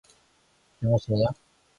제 정신이야?